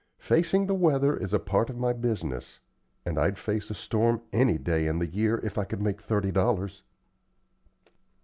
Facing the weather is a part of my business; and I'd face a storm any day in the year if I could make thirty dollars."